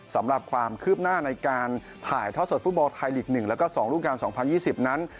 สำหรับความคืบหน้าในการถ่ายท่อสดฟุตบอลไทยหลีกหนึ่งแล้วก็สองรูปการณ์สองพันยี่สิบนั้น